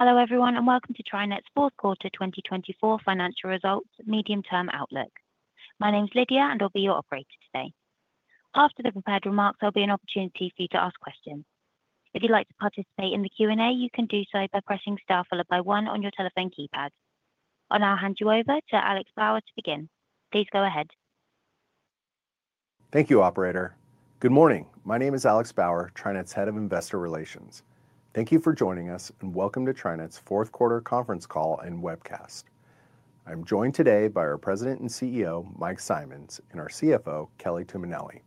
Hello, everyone, and welcome to TriNet's fourth quarter 2024 financial results, medium-term outlook. My name's Lydia, and I'll be your operator today. After the prepared remarks, there'll be an opportunity for you to ask questions. If you'd like to participate in the Q&A, you can do so by pressing star followed by one on your telephone keypad. I'll now hand you over to Alex Bauer to begin. Please go ahead. Thank you, Operator. Good morning. My name is Alex Bauer, TriNet's Head of Investor Relations. Thank you for joining us, and welcome to TriNet's fourth quarter conference call and webcast. I'm joined today by our President and CEO, Mike Simonds, and our CFO, Kelly Tuminelli.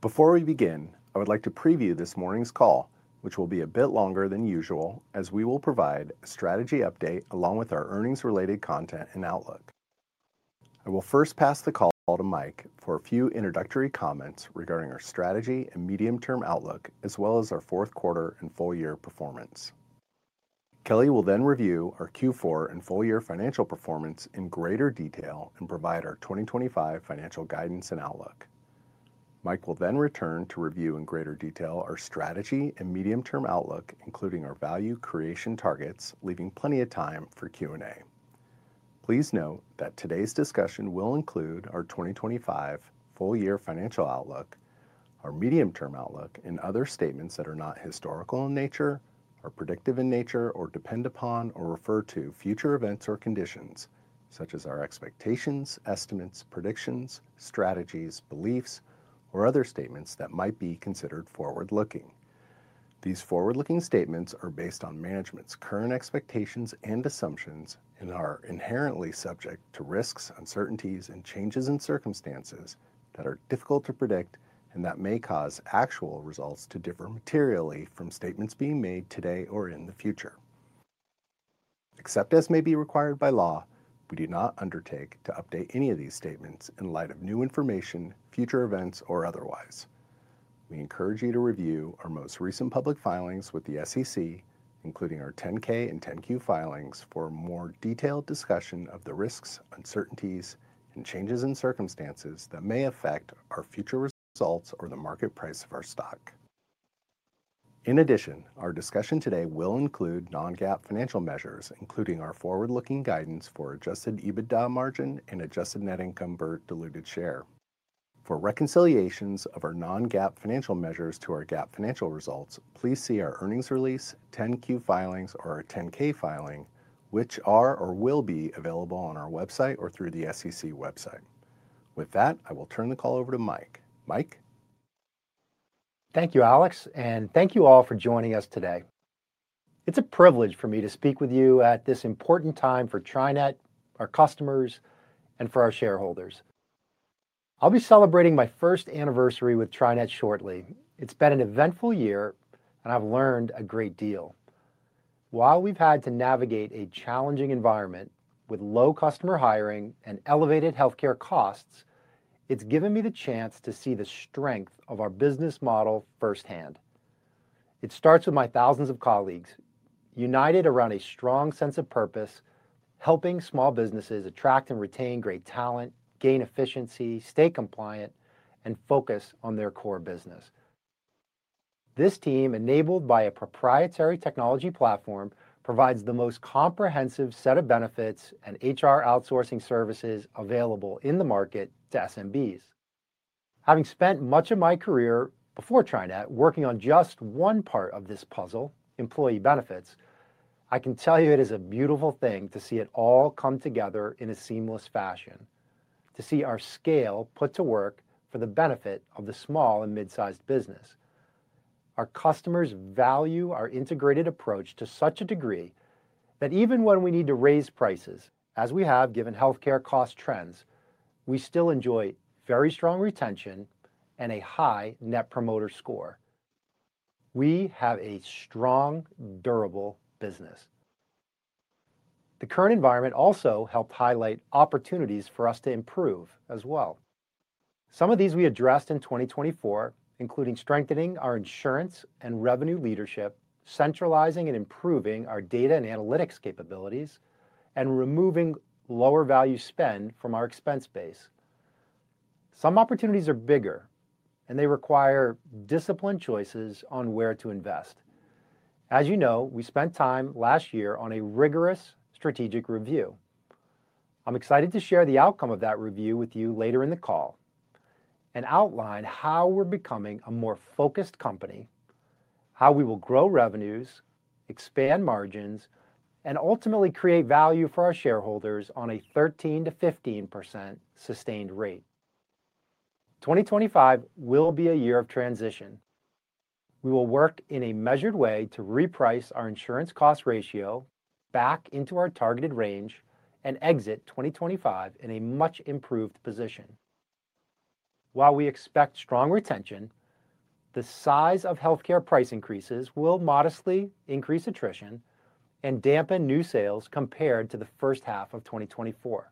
Before we begin, I would like to preview this morning's call, which will be a bit longer than usual, as we will provide a strategy update along with our earnings-related content and outlook. I will first pass the call to Mike for a few introductory comments regarding our strategy and medium-term outlook, as well as our fourth quarter and full-year performance. Kelly will then review our Q4 and full-year financial performance in greater detail and provide our 2025 financial guidance and outlook. Mike will then return to review in greater detail our strategy and medium-term outlook, including our value creation targets, leaving plenty of time for Q&A. Please note that today's discussion will include our 2025 full-year financial outlook, our medium-term outlook, and other statements that are not historical in nature, are predictive in nature, or depend upon or refer to future events or conditions, such as our expectations, estimates, predictions, strategies, beliefs, or other statements that might be considered forward-looking. These forward-looking statements are based on management's current expectations and assumptions and are inherently subject to risks, uncertainties, and changes in circumstances that are difficult to predict and that may cause actual results to differ materially from statements being made today or in the future. Except as may be required by law, we do not undertake to update any of these statements in light of new information, future events, or otherwise. We encourage you to review our most recent public filings with the SEC, including our Form 10-K and Form 10-Q filings, for a more detailed discussion of the risks, uncertainties, and changes in circumstances that may affect our future results or the market price of our stock. In addition, our discussion today will include non-GAAP financial measures, including our forward-looking guidance for Adjusted EBITDA margin and Adjusted Net Income per diluted share. For reconciliations of our non-GAAP financial measures to our GAAP financial results, please see our earnings release, Form 10-Q filings, or our Form 10-K filing, which are or will be available on our website or through the SEC website. With that, I will turn the call over to Mike. Mike? Thank you, Alex, and thank you all for joining us today. It's a privilege for me to speak with you at this important time for TriNet, our customers, and for our shareholders. I'll be celebrating my first anniversary with TriNet shortly. It's been an eventful year, and I've learned a great deal. While we've had to navigate a challenging environment with low customer hiring and elevated healthcare costs, it's given me the chance to see the strength of our business model firsthand. It starts with my thousands of colleagues united around a strong sense of purpose, helping small businesses attract and retain great talent, gain efficiency, stay compliant, and focus on their core business. This team, enabled by a proprietary technology platform, provides the most comprehensive set of benefits and HR outsourcing services available in the market to SMBs. Having spent much of my career before TriNet working on just one part of this puzzle, employee benefits, I can tell you it is a beautiful thing to see it all come together in a seamless fashion, to see our scale put to work for the benefit of the small and mid-sized business. Our customers value our integrated approach to such a degree that even when we need to raise prices, as we have given healthcare cost trends, we still enjoy very strong retention and a high Net Promoter Score. We have a strong, durable business. The current environment also helped highlight opportunities for us to improve as well. Some of these we addressed in 2024, including strengthening our insurance and revenue leadership, centralizing and improving our data and analytics capabilities, and removing lower-value spend from our expense base. Some opportunities are bigger, and they require disciplined choices on where to invest. As you know, we spent time last year on a rigorous strategic review. I'm excited to share the outcome of that review with you later in the call and outline how we're becoming a more focused company, how we will grow revenues, expand margins, and ultimately create value for our shareholders on a 13%-15% sustained rate. 2025 will be a year of transition. We will work in a measured way to reprice our insurance cost ratio back into our targeted range and exit 2025 in a much-improved position. While we expect strong retention, the size of healthcare price increases will modestly increase attrition and dampen new sales compared to the first half of 2024.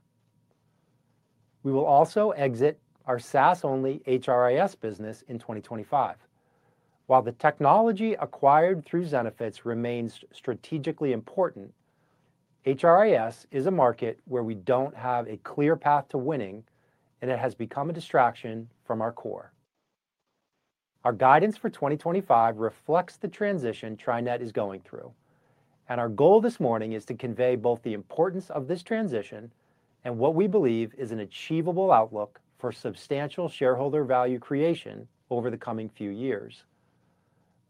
We will also exit our SaaS-only HRIS business in 2025. While the technology acquired through Zenefits remains strategically important, HRIS is a market where we don't have a clear path to winning, and it has become a distraction from our core. Our guidance for 2025 reflects the transition TriNet is going through, and our goal this morning is to convey both the importance of this transition and what we believe is an achievable outlook for substantial shareholder value creation over the coming few years.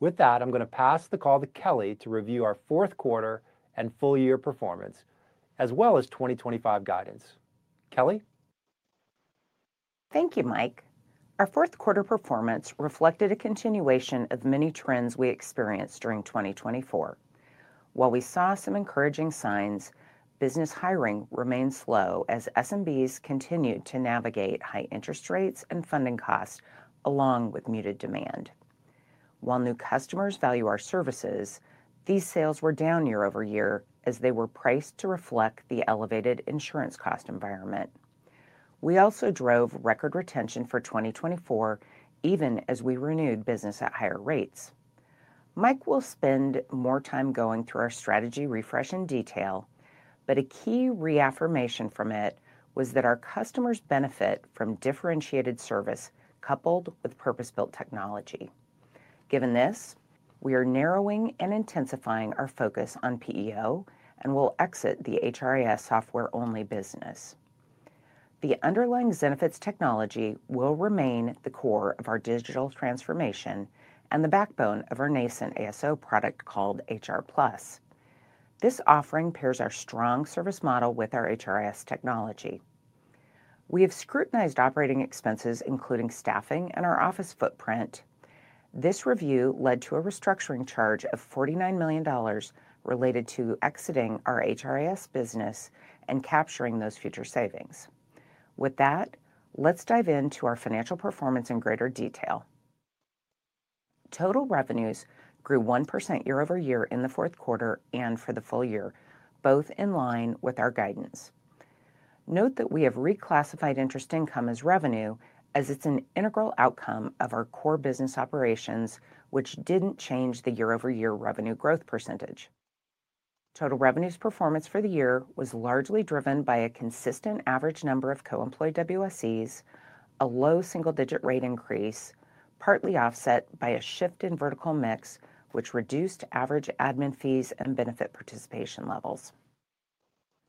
With that, I'm going to pass the call to Kelly to review our fourth quarter and full-year performance, as well as 2025 guidance. Kelly? Thank you, Mike. Our fourth quarter performance reflected a continuation of many trends we experienced during 2024. While we saw some encouraging signs, business hiring remained slow as SMBs continued to navigate high interest rates and funding costs along with muted demand. While new customers value our services, these sales were down year-over-year as they were priced to reflect the elevated insurance cost environment. We also drove record retention for 2024, even as we renewed business at higher rates. Mike will spend more time going through our strategy refresh in detail, but a key reaffirmation from it was that our customers benefit from differentiated service coupled with purpose-built technology. Given this, we are narrowing and intensifying our focus on PEO and will exit the HRIS software-only business. The underlying Zenefits technology will remain the core of our digital transformation and the backbone of our nascent ASO product called HR Plus. This offering pairs our strong service model with our HRIS technology. We have scrutinized operating expenses, including staffing and our office footprint. This review led to a restructuring charge of $49 million related to exiting our HRIS business and capturing those future savings. With that, let's dive into our financial performance in greater detail. Total revenues grew 1% year-over-year in the fourth quarter and for the full year, both in line with our guidance. Note that we have reclassified interest income as revenue, as it's an integral outcome of our core business operations, which didn't change the year-over-year revenue growth percentage. Total revenues performance for the year was largely driven by a consistent average number of co-employed WSEs, a low single-digit rate increase, partly offset by a shift in vertical mix, which reduced average admin fees and benefit participation levels.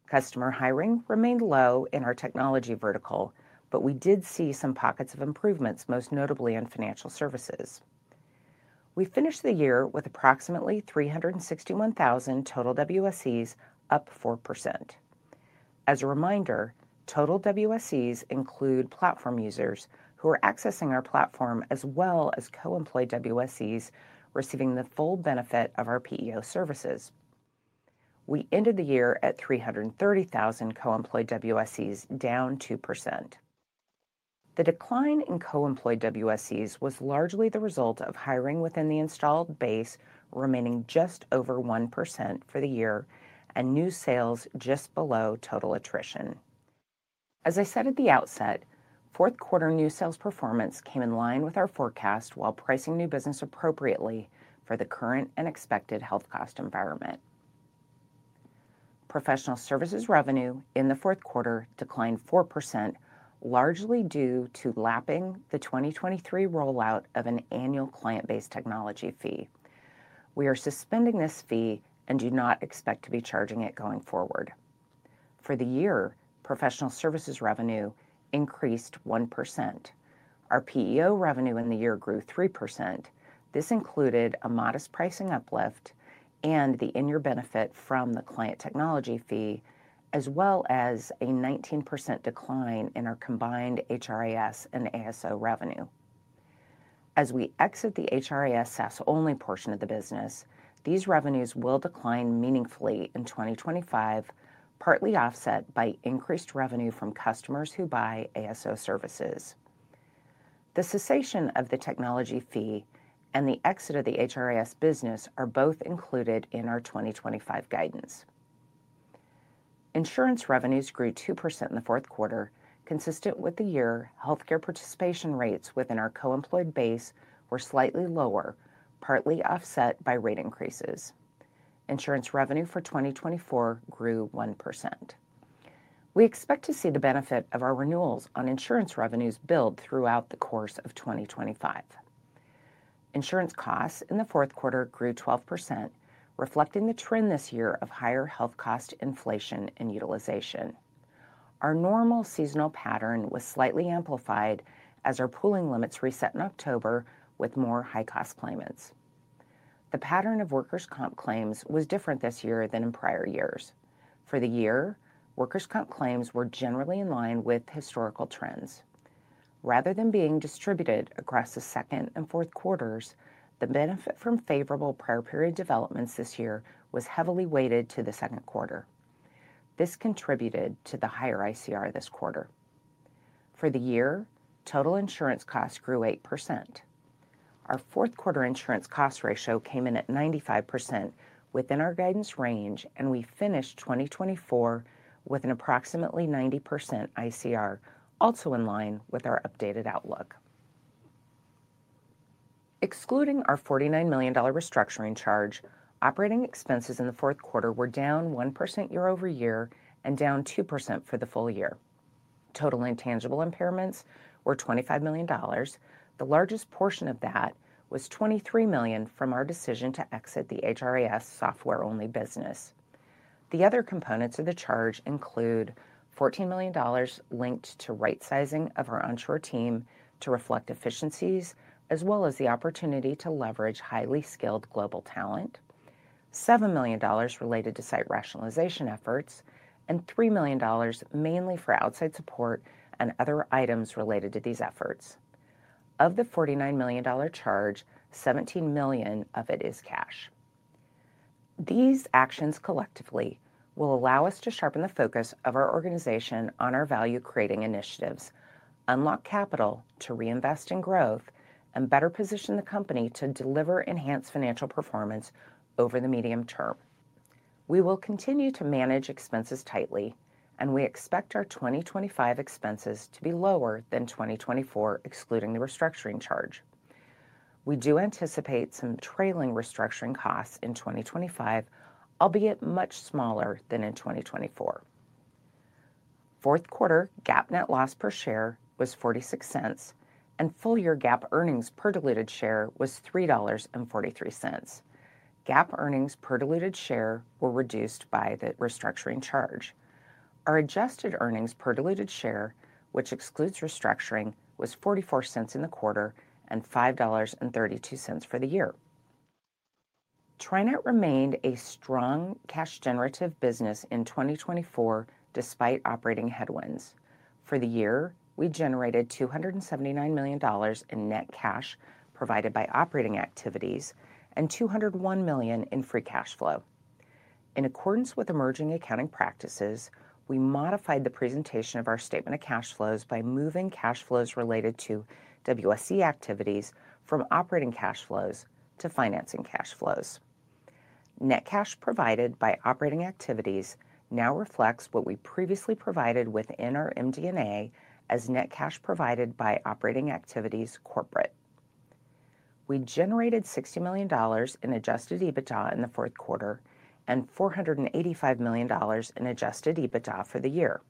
Customer hiring remained low in our technology vertical, but we did see some pockets of improvements, most notably in financial services. We finished the year with approximately 361,000 total WSEs, up 4%. As a reminder, total WSEs include platform users who are accessing our platform, as well as co-employed WSEs receiving the full benefit of our PEO services. We ended the year at 330,000 co-employed WSEs, down 2%. The decline in co-employed WSEs was largely the result of hiring within the installed base, remaining just over 1% for the year, and new sales just below total attrition. As I said at the outset, fourth quarter new sales performance came in line with our forecast while pricing new business appropriately for the current and expected health cost environment. Professional services revenue in the fourth quarter declined 4%, largely due to lapping the 2023 rollout of an annual client-based technology fee. We are suspending this fee and do not expect to be charging it going forward. For the year, professional services revenue increased 1%. Our PEO revenue in the year grew 3%. This included a modest pricing uplift and the in-year benefit from the client technology fee, as well as a 19% decline in our combined HRIS and ASO revenue. As we exit the HRIS SaaS-only portion of the business, these revenues will decline meaningfully in 2025, partly offset by increased revenue from customers who buy ASO services. The cessation of the technology fee and the exit of the HRIS business are both included in our 2025 guidance. Insurance revenues grew 2% in the fourth quarter, consistent with the year. Healthcare participation rates within our co-employed base were slightly lower, partly offset by rate increases. Insurance revenue for 2024 grew 1%. We expect to see the benefit of our renewals on insurance revenues build throughout the course of 2025. Insurance costs in the fourth quarter grew 12%, reflecting the trend this year of higher health cost inflation and utilization. Our normal seasonal pattern was slightly amplified as our pooling limits reset in October with more high-cost claimants. The pattern of workers' comp claims was different this year than in prior years. For the year, workers' comp claims were generally in line with historical trends. Rather than being distributed across the second and fourth quarters, the benefit from favorable prior-period developments this year was heavily weighted to the second quarter. This contributed to the higher ICR this quarter. For the year, total insurance costs grew 8%. Our fourth quarter insurance cost ratio came in at 95% within our guidance range, and we finished 2024 with an approximately 90% ICR, also in line with our updated outlook. Excluding our $49 million restructuring charge, operating expenses in the fourth quarter were down 1% year-over-year and down 2% for the full year. Total intangible impairments were $25 million. The largest portion of that was $23 million from our decision to exit the HRIS software-only business. The other components of the charge include $14 million linked to right-sizing of our onshore team to reflect efficiencies, as well as the opportunity to leverage highly skilled global talent, $7 million related to site rationalization efforts, and $3 million mainly for outside support and other items related to these efforts. Of the $49 million charge, $17 million of it is cash. These actions collectively will allow us to sharpen the focus of our organization on our value-creating initiatives, unlock capital to reinvest in growth, and better position the company to deliver enhanced financial performance over the medium term. We will continue to manage expenses tightly, and we expect our 2025 expenses to be lower than 2024, excluding the restructuring charge. We do anticipate some trailing restructuring costs in 2025, albeit much smaller than in 2024. Fourth quarter GAAP net loss per share was $0.46, and full-year GAAP earnings per diluted share was $3.43. GAAP earnings per diluted share were reduced by the restructuring charge. Our adjusted earnings per diluted share, which excludes restructuring, was $0.44 in the quarter and $5.32 for the year. TriNet remained a strong cash-generative business in 2024 despite operating headwinds. For the year, we generated $279 million in net cash provided by operating activities and $201 million in free cash flow. In accordance with emerging accounting practices, we modified the presentation of our statement of cash flows by moving cash flows related to WSE activities from operating cash flows to financing cash flows. Net cash provided by operating activities now reflects what we previously provided within our MD&A as net cash provided by operating activities corporate. We generated $60 million in adjusted EBITDA in the fourth quarter and $485 million in adjusted EBITDA for the year.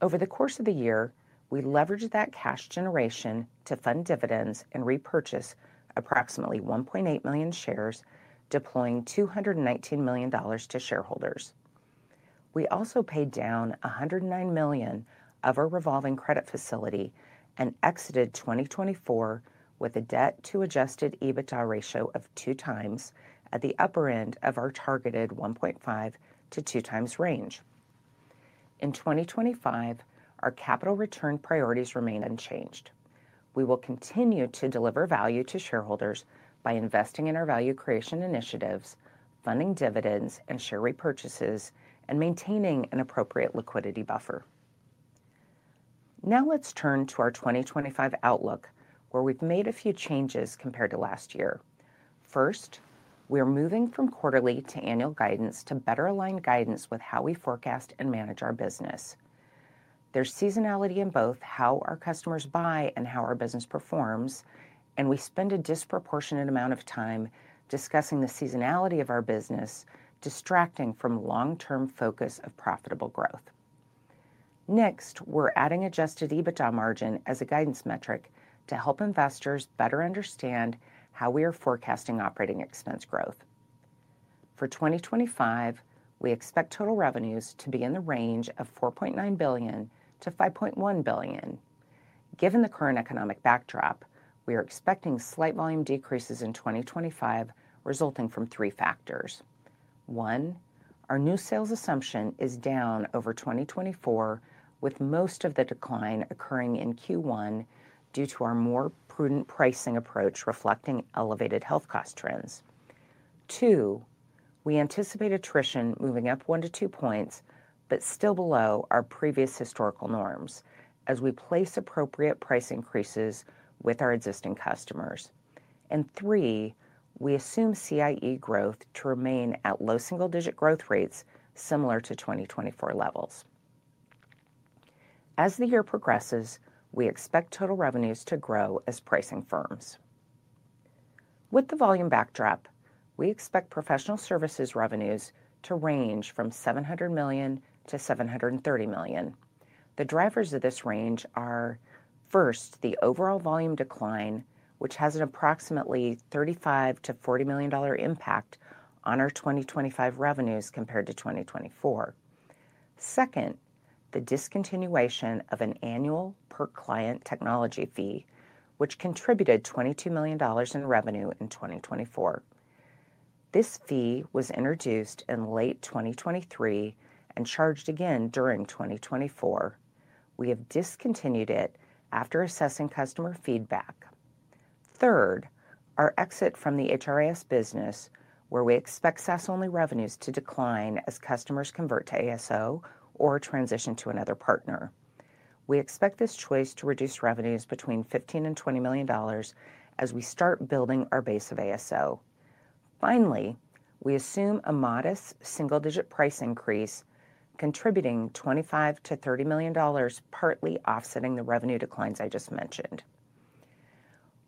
Over the course of the year, we leveraged that cash generation to fund dividends and repurchase approximately 1.8 million shares, deploying $219 million to shareholders. We also paid down $109 million of our revolving credit facility and exited 2024 with a debt-to-adjusted EBITDA ratio of two times at the upper end of our targeted 1.5x-2x range. In 2025, our capital return priorities remain unchanged. We will continue to deliver value to shareholders by investing in our value creation initiatives, funding dividends and share repurchases, and maintaining an appropriate liquidity buffer. Now let's turn to our 2025 outlook, where we've made a few changes compared to last year. First, we are moving from quarterly to annual guidance to better align guidance with how we forecast and manage our business. There's seasonality in both how our customers buy and how our business performs, and we spend a disproportionate amount of time discussing the seasonality of our business, distracting from long-term focus of profitable growth. Next, we're adding Adjusted EBITDA margin as a guidance metric to help investors better understand how we are forecasting operating expense growth. For 2025, we expect total revenues to be in the range of $4.9 billion-$5.1 billion. Given the current economic backdrop, we are expecting slight volume decreases in 2025 resulting from three factors. One, our new sales assumption is down over 2024, with most of the decline occurring in Q1 due to our more prudent pricing approach reflecting elevated health cost trends. Two, we anticipate attrition moving up one to two points, but still below our previous historical norms as we place appropriate price increases with our existing customers. And three, we assume CIE growth to remain at low single-digit growth rates similar to 2024 levels. As the year progresses, we expect total revenues to grow as pricing firms. With the volume backdrop, we expect professional services revenues to range from $700 million-$730 million. The drivers of this range are, first, the overall volume decline, which has an approximately $35 million-$40 million impact on our 2025 revenues compared to 2024. Second, the discontinuation of an annual per-client technology fee, which contributed $22 million in revenue in 2024. This fee was introduced in late 2023 and charged again during 2024. We have discontinued it after assessing customer feedback. Third, our exit from the HRIS business, where we expect SaaS-only revenues to decline as customers convert to ASO or transition to another partner. We expect this choice to reduce revenues between $15 million and $20 million as we start building our base of ASO. Finally, we assume a modest single-digit price increase, contributing $25 million-$30 million, partly offsetting the revenue declines I just mentioned.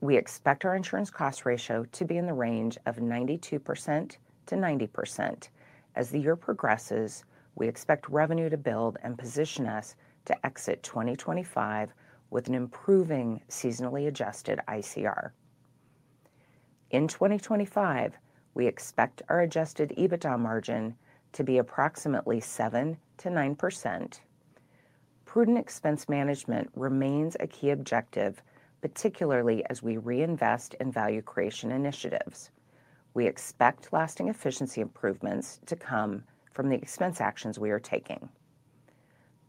We expect our insurance cost ratio to be in the range of 92%-90%. As the year progresses, we expect revenue to build and position us to exit 2025 with an improving seasonally adjusted ICR. In 2025, we expect our adjusted EBITDA margin to be approximately 7%-9%. Prudent expense management remains a key objective, particularly as we reinvest in value creation initiatives. We expect lasting efficiency improvements to come from the expense actions we are taking.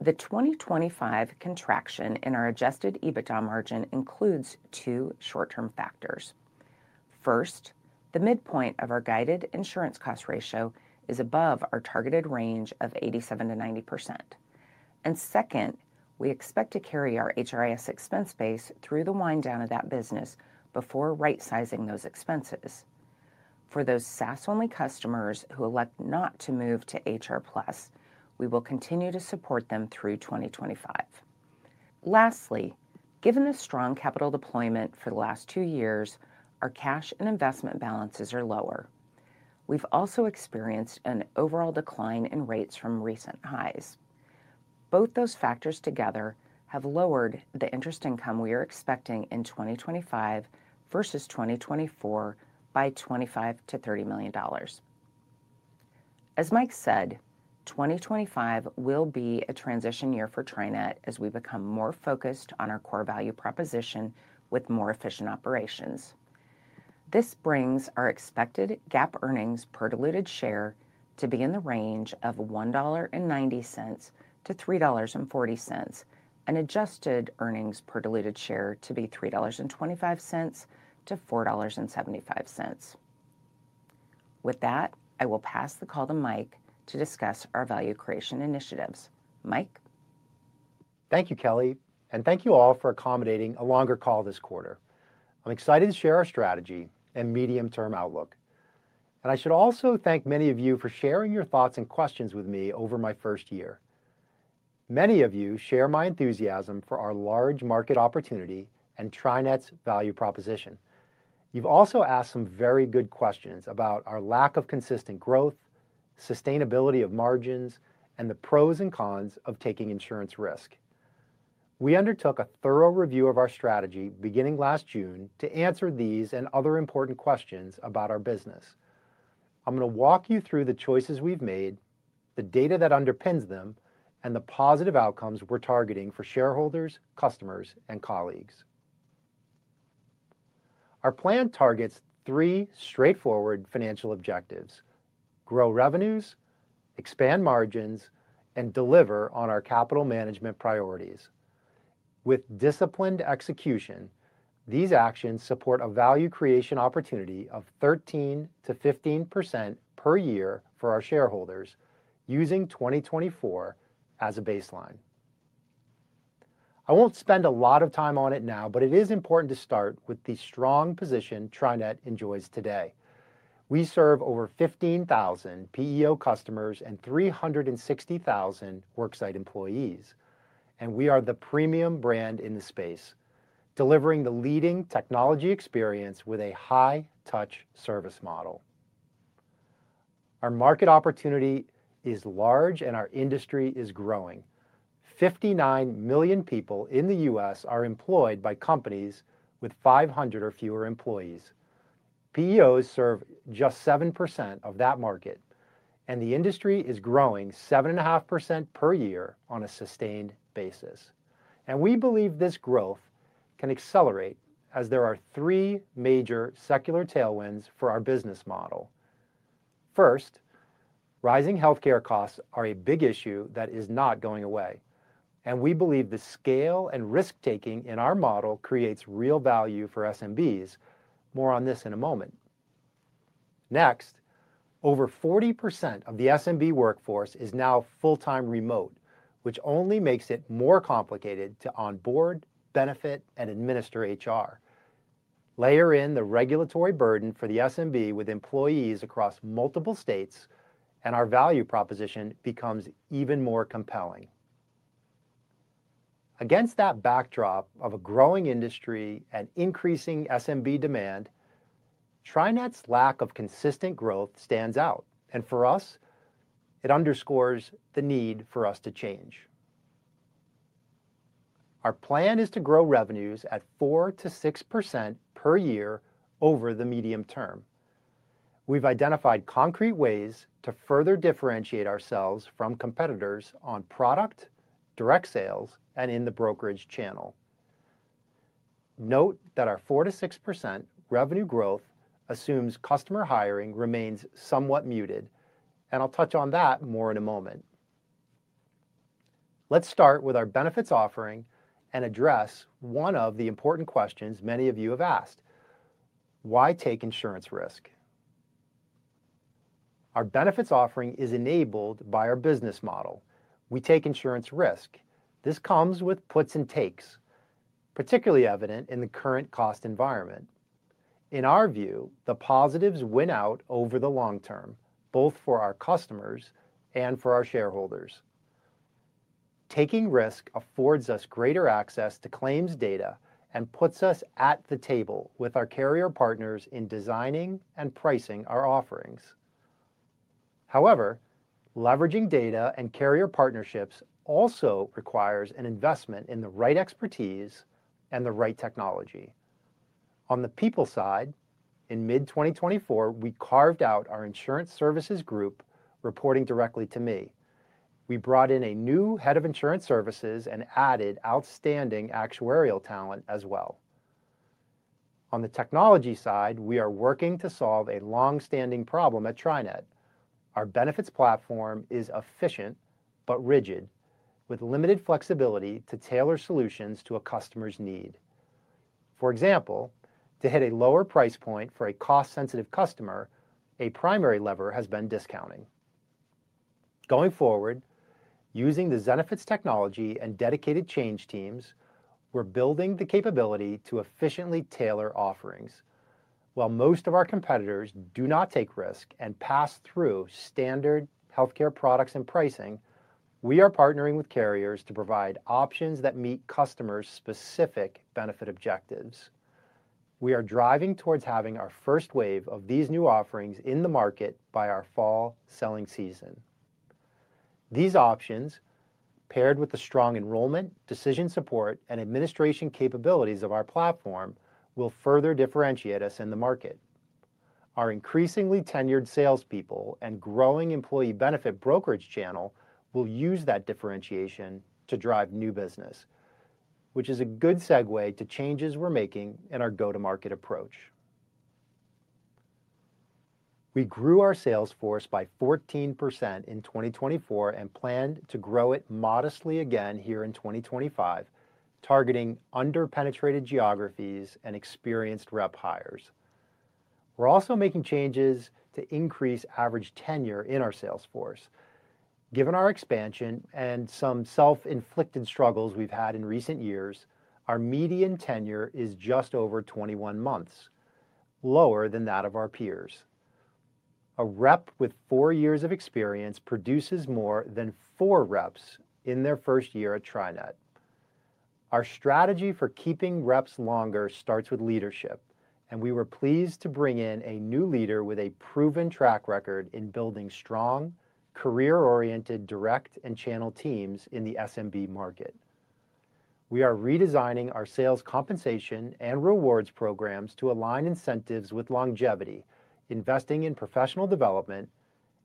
The 2025 contraction in our adjusted EBITDA margin includes two short-term factors. First, the midpoint of our guided insurance cost ratio is above our targeted range of 87%-90%. And second, we expect to carry our HRIS expense base through the wind down of that business before right-sizing those expenses. For those SaaS-only customers who elect not to move to HR Plus, we will continue to support them through 2025. Lastly, given the strong capital deployment for the last two years, our cash and investment balances are lower. We've also experienced an overall decline in rates from recent highs. Both those factors together have lowered the interest income we are expecting in 2025 versus 2024 by $25 million-$30 million. As Mike said, 2025 will be a transition year for TriNet as we become more focused on our core value proposition with more efficient operations. This brings our expected GAAP earnings per diluted share to be in the range of $1.90-$3.40 and adjusted earnings per diluted share to be $3.25-$4.75. With that, I will pass the call to Mike to discuss our value creation initiatives. Mike? Thank you, Kelly, and thank you all for accommodating a longer call this quarter. I'm excited to share our strategy and medium-term outlook. And I should also thank many of you for sharing your thoughts and questions with me over my first year. Many of you share my enthusiasm for our large market opportunity and TriNet's value proposition. You've also asked some very good questions about our lack of consistent growth, sustainability of margins, and the pros and cons of taking insurance risk. We undertook a thorough review of our strategy beginning last June to answer these and other important questions about our business. I'm going to walk you through the choices we've made, the data that underpins them, and the positive outcomes we're targeting for shareholders, customers, and colleagues. Our plan targets three straightforward financial objectives: grow revenues, expand margins, and deliver on our capital management priorities. With disciplined execution, these actions support a value creation opportunity of 13% to 15% per year for our shareholders, using 2024 as a baseline. I won't spend a lot of time on it now, but it is important to start with the strong position TriNet enjoys today. We serve over 15,000 PEO customers and 360,000 worksite employees, and we are the premium brand in the space, delivering the leading technology experience with a high-touch service model. Our market opportunity is large, and our industry is growing. 59 million people in the U.S. are employed by companies with 500 or fewer employees. PEOs serve just 7% of that market, and the industry is growing 7.5% per year on a sustained basis, and we believe this growth can accelerate as there are three major secular tailwinds for our business model. First, rising healthcare costs are a big issue that is not going away, and we believe the scale and risk-taking in our model creates real value for SMBs. More on this in a moment. Next, over 40% of the SMB workforce is now full-time remote, which only makes it more complicated to onboard, benefit, and administer HR. Layer in the regulatory burden for the SMB with employees across multiple states, and our value proposition becomes even more compelling. Against that backdrop of a growing industry and increasing SMB demand, TriNet's lack of consistent growth stands out, and for us, it underscores the need for us to change. Our plan is to grow revenues at 4%-6% per year over the medium term. We've identified concrete ways to further differentiate ourselves from competitors on product, direct sales, and in the brokerage channel. Note that our 4%-6% revenue growth assumes customer hiring remains somewhat muted, and I'll touch on that more in a moment. Let's start with our benefits offering and address one of the important questions many of you have asked: why take insurance risk? Our benefits offering is enabled by our business model. We take insurance risk. This comes with puts and takes, particularly evident in the current cost environment. In our view, the positives win out over the long term, both for our customers and for our shareholders. Taking risk affords us greater access to claims data and puts us at the table with our carrier partners in designing and pricing our offerings. However, leveraging data and carrier partnerships also requires an investment in the right expertise and the right technology. On the people side, in mid-2024, we carved out our insurance services group reporting directly to me. We brought in a new head of insurance services and added outstanding actuarial talent as well. On the technology side, we are working to solve a long-standing problem at TriNet. Our benefits platform is efficient but rigid, with limited flexibility to tailor solutions to a customer's need. For example, to hit a lower price point for a cost-sensitive customer, a primary lever has been discounting. Going forward, using the Zenefits technology and dedicated change teams, we're building the capability to efficiently tailor offerings. While most of our competitors do not take risk and pass through standard healthcare products and pricing, we are partnering with carriers to provide options that meet customers' specific benefit objectives. We are driving towards having our first wave of these new offerings in the market by our fall selling season. These options, paired with the strong enrollment, decision support, and administration capabilities of our platform, will further differentiate us in the market. Our increasingly tenured salespeople and growing employee benefit brokerage channel will use that differentiation to drive new business, which is a good segue to changes we're making in our go-to-market approach. We grew our sales force by 14% in 2024 and planned to grow it modestly again here in 2025, targeting under-penetrated geographies and experienced rep hires. We're also making changes to increase average tenure in our sales force. Given our expansion and some self-inflicted struggles we've had in recent years, our median tenure is just over 21 months, lower than that of our peers. A rep with four years of experience produces more than four reps in their first year at TriNet. Our strategy for keeping reps longer starts with leadership, and we were pleased to bring in a new leader with a proven track record in building strong, career-oriented, direct, and channel teams in the SMB market. We are redesigning our sales compensation and rewards programs to align incentives with longevity, investing in professional development,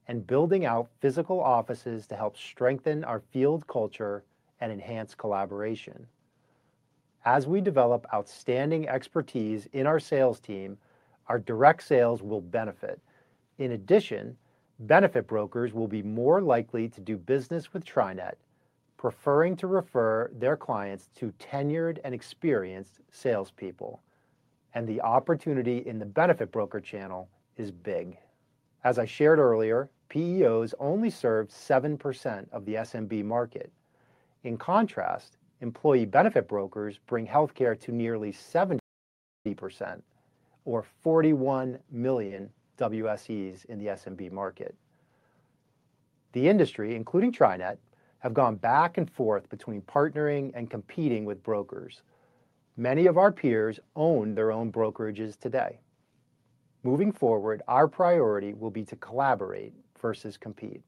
and building out physical offices to help strengthen our field culture and enhance collaboration. As we develop outstanding expertise in our sales team, our direct sales will benefit. In addition, benefit brokers will be more likely to do business with TriNet, preferring to refer their clients to tenured and experienced salespeople, and the opportunity in the benefit broker channel is big. As I shared earlier, PEOs only serve 7% of the SMB market. In contrast, employee benefit brokers bring healthcare to nearly 70%, or 41 million WSEs in the SMB market. The industry, including TriNet, has gone back and forth between partnering and competing with brokers. Many of our peers own their own brokerages today. Moving forward, our priority will be to collaborate versus compete.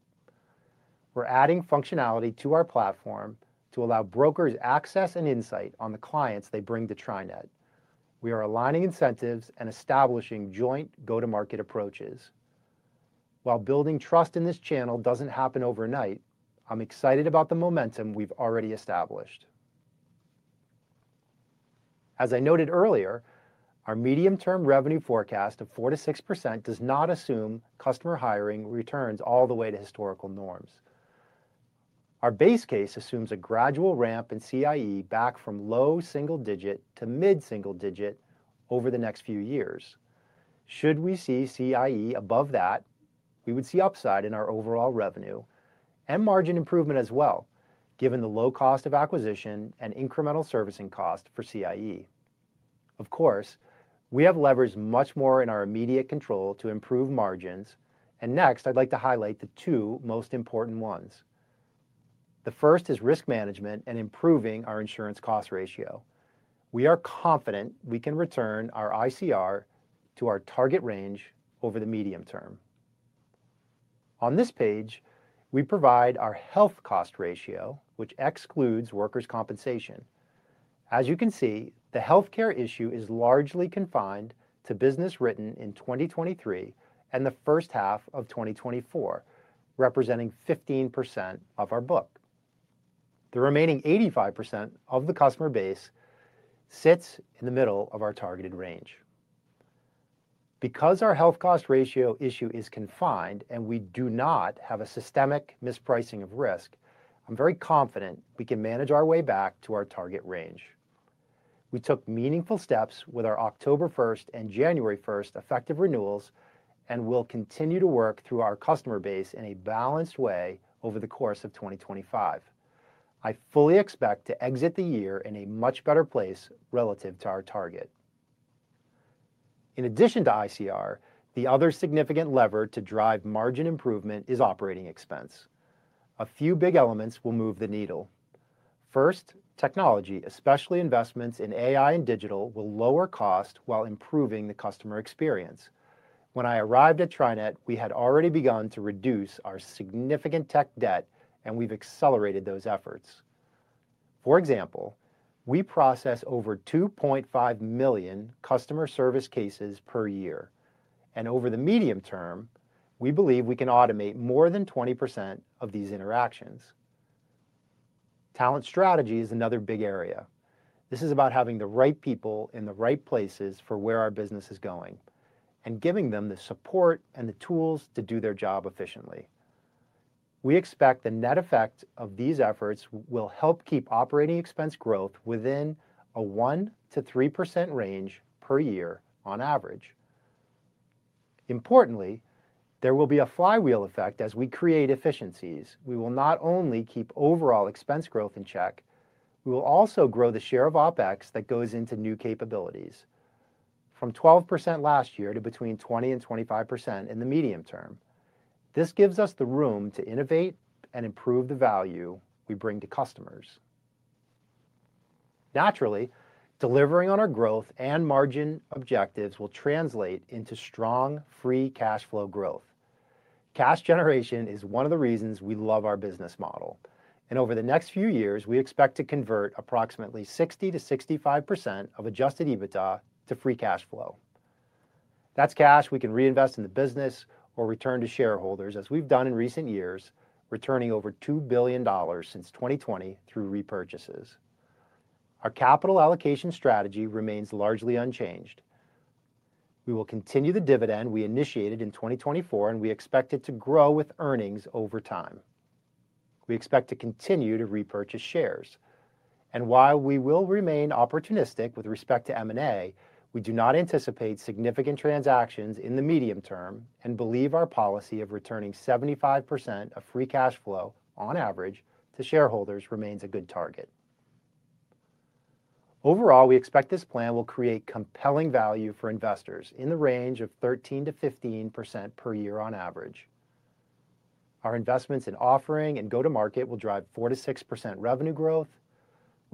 We're adding functionality to our platform to allow brokers access and insight on the clients they bring to TriNet. We are aligning incentives and establishing joint go-to-market approaches. While building trust in this channel doesn't happen overnight, I'm excited about the momentum we've already established. As I noted earlier, our medium-term revenue forecast of 4%-6% does not assume customer hiring returns all the way to historical norms. Our base case assumes a gradual ramp in CIE back from low single-digit to mid-single-digit over the next few years. Should we see CIE above that, we would see upside in our overall revenue and margin improvement as well, given the low cost of acquisition and incremental servicing cost for CIE. Of course, we have levers much more in our immediate control to improve margins, and next, I'd like to highlight the two most important ones. The first is risk management and improving our insurance cost ratio. We are confident we can return our ICR to our target range over the medium term. On this page, we provide our health cost ratio, which excludes workers' compensation. As you can see, the healthcare issue is largely confined to business written in 2023 and the first half of 2024, representing 15% of our book. The remaining 85% of the customer base sits in the middle of our targeted range. Because our health cost ratio issue is confined and we do not have a systemic mispricing of risk, I'm very confident we can manage our way back to our target range. We took meaningful steps with our October 1st and January 1st effective renewals and will continue to work through our customer base in a balanced way over the course of 2025.I fully expect to exit the year in a much better place relative to our target. In addition to ICR, the other significant lever to drive margin improvement is operating expense. A few big elements will move the needle. First, technology, especially investments in AI and digital, will lower cost while improving the customer experience. When I arrived at TriNet, we had already begun to reduce our significant tech debt, and we've accelerated those efforts. For example, we process over 2.5 million customer service cases per year, and over the medium term, we believe we can automate more than 20% of these interactions. Talent strategy is another big area. This is about having the right people in the right places for where our business is going and giving them the support and the tools to do their job efficiently. We expect the net effect of these efforts will help keep operating expense growth within a 1%-3% range per year on average. Importantly, there will be a flywheel effect as we create efficiencies. We will not only keep overall expense growth in check, we will also grow the share of OpEx that goes into new capabilities, from 12% last year to between 20% and 25% in the medium term. This gives us the room to innovate and improve the value we bring to customers. Naturally, delivering on our growth and margin objectives will translate into strong free cash flow growth. Cash generation is one of the reasons we love our business model, and over the next few years, we expect to convert approximately 60%-65% of Adjusted EBITDA to free cash flow. That's cash we can reinvest in the business or return to shareholders, as we've done in recent years, returning over $2 billion since 2020 through repurchases. Our capital allocation strategy remains largely unchanged. We will continue the dividend we initiated in 2024, and we expect it to grow with earnings over time. We expect to continue to repurchase shares. And while we will remain opportunistic with respect to M&A, we do not anticipate significant transactions in the medium term and believe our policy of returning 75% of free cash flow on average to shareholders remains a good target. Overall, we expect this plan will create compelling value for investors in the range of 13%-15% per year on average. Our investments in offering and go-to-market will drive 4%-6% revenue growth.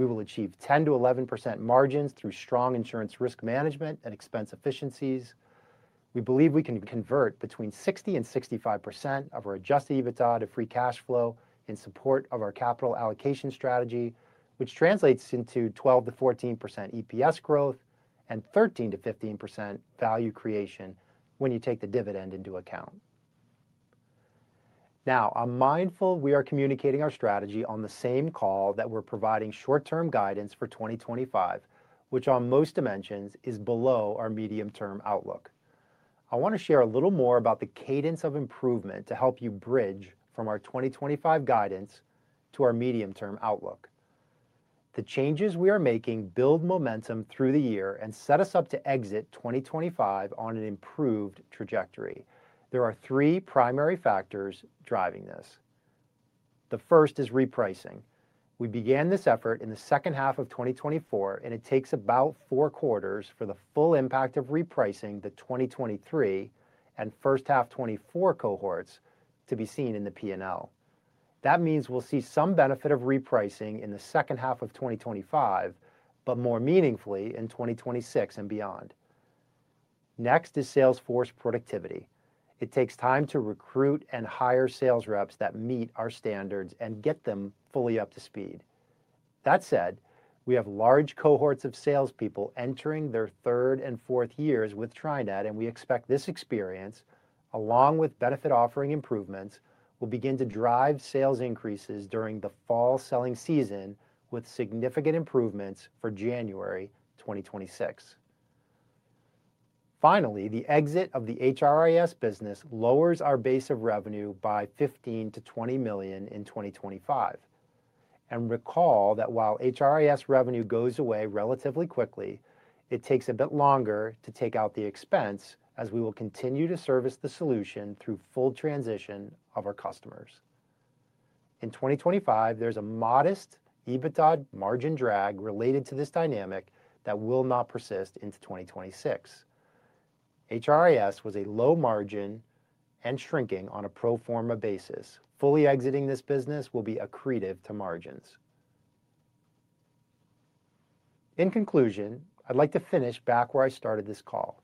We will achieve 10%-11% margins through strong insurance risk management and expense efficiencies. We believe we can convert between 60% and 65% of our adjusted EBITDA to free cash flow in support of our capital allocation strategy, which translates into 12%-14% EPS growth and 13%-15% value creation when you take the dividend into account. Now, I'm mindful we are communicating our strategy on the same call that we're providing short-term guidance for 2025, which on most dimensions is below our medium-term outlook. I want to share a little more about the cadence of improvement to help you bridge from our 2025 guidance to our medium-term outlook. The changes we are making build momentum through the year and set us up to exit 2025 on an improved trajectory. There are three primary factors driving this. The first is repricing. We began this effort in the second half of 2024, and it takes about four quarters for the full impact of repricing the 2023 and first half 2024 cohorts to be seen in the P&L. That means we'll see some benefit of repricing in the second half of 2025, but more meaningfully in 2026 and beyond. Next is sales force productivity. It takes time to recruit and hire sales reps that meet our standards and get them fully up to speed. That said, we have large cohorts of salespeople entering their third and fourth years with TriNet, and we expect this experience, along with benefit offering improvements, will begin to drive sales increases during the fall selling season with significant improvements for January 2026. Finally, the exit of the HRIS business lowers our base of revenue by $15 million-$20 million in 2025. And recall that while HRIS revenue goes away relatively quickly, it takes a bit longer to take out the expense as we will continue to service the solution through full transition of our customers. In 2025, there's a modest EBITDA margin drag related to this dynamic that will not persist into 2026. HRIS was a low margin and shrinking on a pro forma basis. Fully exiting this business will be accretive to margins. In conclusion, I'd like to finish back where I started this call.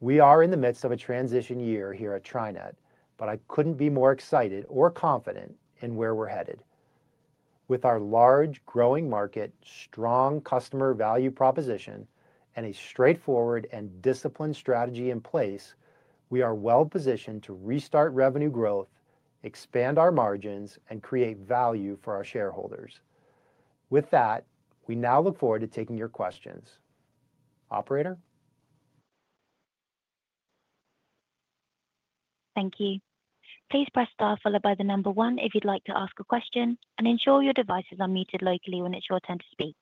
We are in the midst of a transition year here at TriNet, but I couldn't be more excited or confident in where we're headed. With our large, growing market, strong customer value proposition, and a straightforward and disciplined strategy in place, we are well positioned to restart revenue growth, expand our margins, and create value for our shareholders. With that, we now look forward to taking your questions. Operator? Thank you. Please press star followed by the number one if you'd like to ask a question, and ensure your devices are muted locally when it's your turn to speak.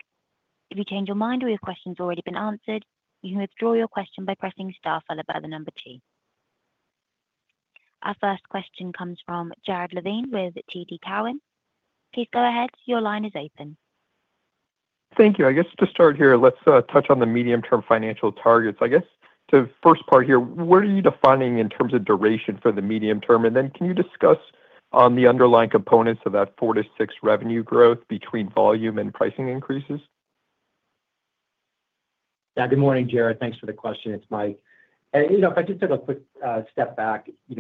If you change your mind or your question's already been answered, you can withdraw your question by pressing star followed by the number two. Our first question comes from Jared Levine with TD Cowen. Please go ahead. Your line is open. Thank you. I guess to start here, let's touch on the medium-term financial targets. I guess the first part here, where are you defining in terms of duration for the medium term? And then can you discuss on the underlying components of that 4-6 revenue growth between volume and pricing increases? Yeah. Good morning, Jared. Thanks for the question. It's Mike. And if I could take a quick step back, we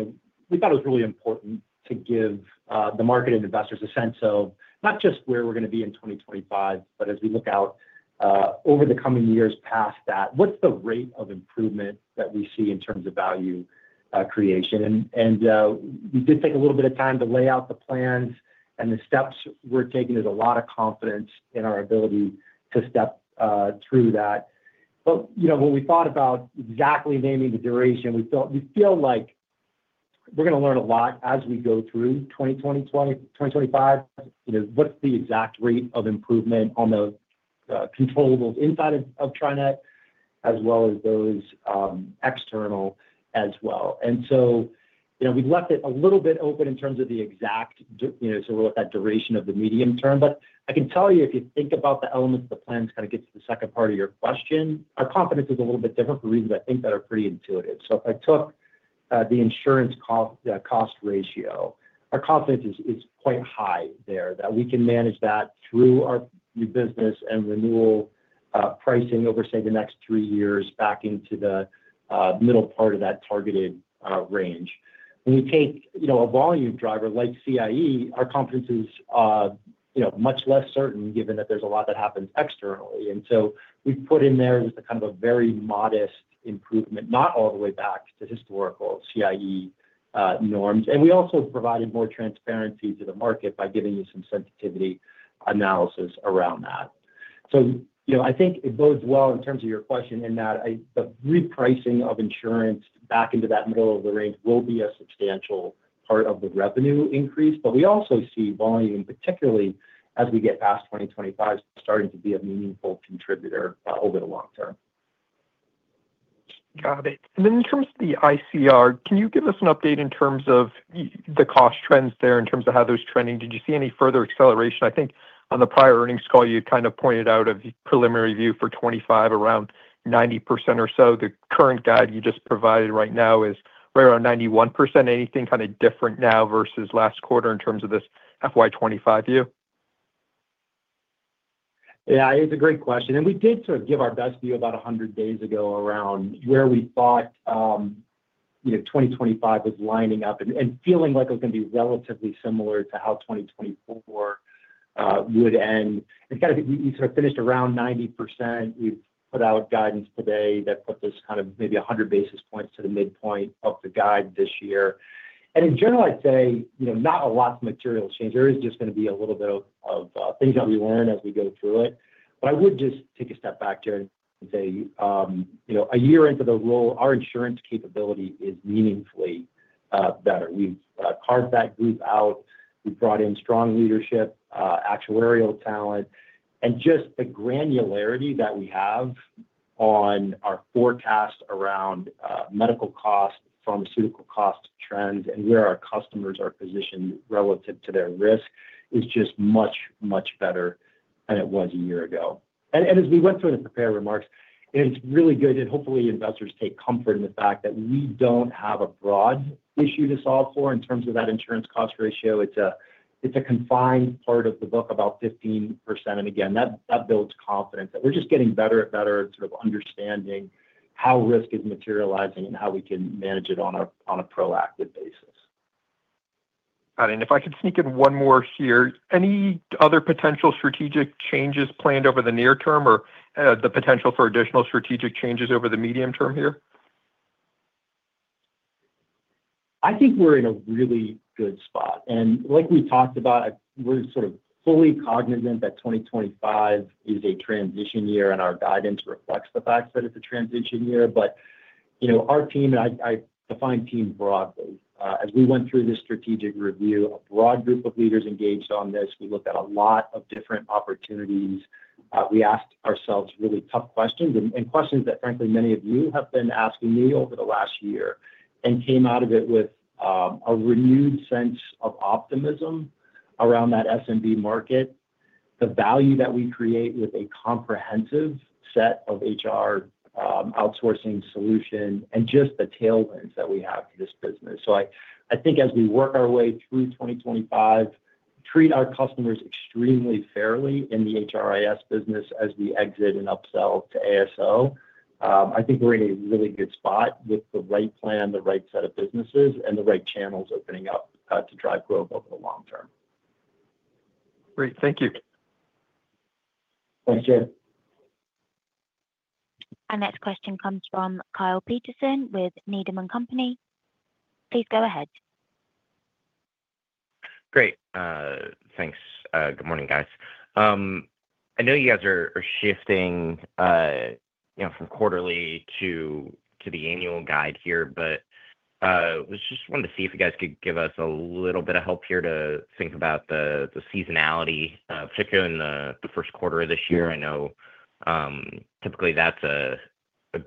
thought it was really important to give the market and investors a sense of not just where we're going to be in 2025, but as we look out over the coming years past that, what's the rate of improvement that we see in terms of value creation? And we did take a little bit of time to lay out the plans, and the steps we're taking is a lot of confidence in our ability to step through that. But when we thought about exactly naming the duration, we feel like we're going to learn a lot as we go through 2025. What's the exact rate of improvement on the controllable inside of TriNet, as well as those external as well? And so we've left it a little bit open in terms of the exact sort of that duration of the medium term. But I can tell you, if you think about the elements of the plans, kind of gets to the second part of your question, our confidence is a little bit different for reasons I think that are pretty intuitive. So if I took the Insurance Cost Ratio, our confidence is quite high there that we can manage that through our new business and renewal pricing over, say, the next three years back into the middle part of that targeted range. When we take a volume driver like CIE, our confidence is much less certain given that there's a lot that happens externally, and so we've put in there just a kind of a very modest improvement, not all the way back to historical CIE norms, and we also provided more transparency to the market by giving you some sensitivity analysis around that. So I think it bodes well in terms of your question in that the repricing of insurance back into that middle of the range will be a substantial part of the revenue increase, but we also see volume, particularly as we get past 2025, starting to be a meaningful contributor over the long term. Got it, and then in terms of the ICR, can you give us an update in terms of the cost trends there in terms of how those trending? Did you see any further acceleration? I think on the prior earnings call, you had kind of pointed out a preliminary view for 2025 around 90% or so. The current guide you just provided right now is right around 91%. Anything kind of different now versus last quarter in terms of this FY 2025 view? Yeah. It's a great question, and we did sort of give our best view about 100 days ago around where we thought 2025 was lining up and feeling like it was going to be relatively similar to how 2024 would end, and kind of we sort of finished around 90%. We've put out guidance today that put this kind of maybe 100 basis points to the midpoint of the guide this year, and in general, I'd say not a lot of material change. There is just going to be a little bit of things that we learn as we go through it. But I would just take a step back, Jared, and say a year into the role, our insurance capability is meaningfully better. We've carved that group out. We've brought in strong leadership, actuarial talent, and just the granularity that we have on our forecast around medical cost, pharmaceutical cost trends, and where our customers are positioned relative to their risk is just much, much better than it was a year ago. And as we went through the prepared remarks, it's really good. And hopefully, investors take comfort in the fact that we don't have a broad issue to solve for in terms of that insurance cost ratio. It's a confined part of the book, about 15%. And again, that builds confidence that we're just getting better and better at sort of understanding how risk is materializing and how we can manage it on a proactive basis. Got it. If I could sneak in one more here, any other potential strategic changes planned over the near term or the potential for additional strategic changes over the medium term here? I think we're in a really good spot. Like we talked about, we're sort of fully cognizant that 2025 is a transition year, and our guidance reflects the fact that it's a transition year. Our team, and I define team broadly, as we went through this strategic review, a broad group of leaders engaged on this. We looked at a lot of different opportunities. We asked ourselves really tough questions and questions that, frankly, many of you have been asking me over the last year and came out of it with a renewed sense of optimism around that SMB market, the value that we create with a comprehensive set of HR outsourcing solution, and just the tailwinds that we have for this business. So I think as we work our way through 2025, treat our customers extremely fairly in the HRIS business as we exit and upsell to ASO. I think we're in a really good spot with the right plan, the right set of businesses, and the right channels opening up to drive growth over the long term. Great. Thank you. Thanks, Jared. Our next question comes from Kyle Peterson with Needham & Company. Please go ahead. Great. Thanks. Good morning, guys. I know you guys are shifting from quarterly to the annual guide here, but I just wanted to see if you guys could give us a little bit of help here to think about the seasonality, particularly in the first quarter of this year. I know typically that's a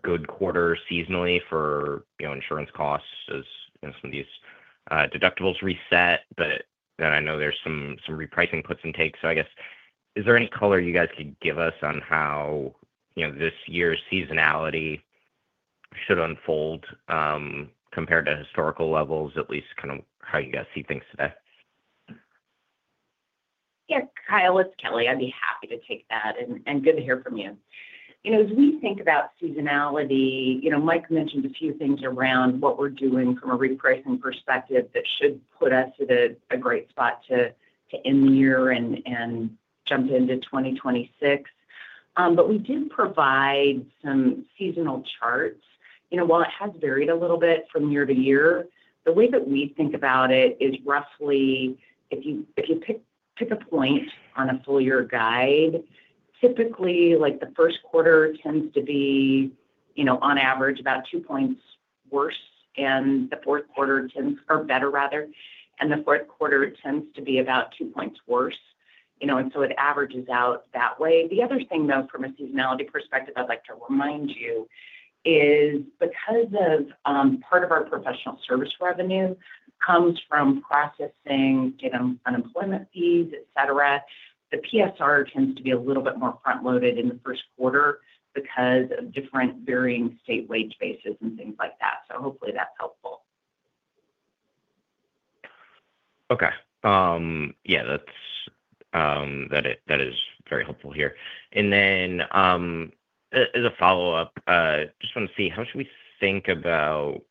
good quarter seasonally for insurance costs as some of these deductibles reset. But then I know there's some repricing puts and takes. So I guess, is there any color you guys could give us on how this year's seasonality should unfold compared to historical levels, at least kind of how you guys see things today? Yeah. Kyle, it's Kelly. I'd be happy to take that, and good to hear from you. As we think about seasonality, Mike mentioned a few things around what we're doing from a repricing perspective that should put us at a great spot to end the year and jump into 2026. But we did provide some seasonal charts. While it has varied a little bit from year to year, the way that we think about it is roughly if you pick a point on a full-year guide, typically the first quarter tends to be, on average, about two points worse, and fourth quarter tends or better, rather. And the fourth quarter tends to be about two points worse. And so it averages out that way. The other thing, though, from a seasonality perspective I'd like to remind you is because part of our professional service revenue comes from processing unemployment fees, etc., the PSR tends to be a little bit more front-loaded in the first quarter because of different varying state wage bases and things like that. So hopefully that's helpful. Okay. Yeah. That is very helpful here. And then as a follow-up, I just want to see how should we think about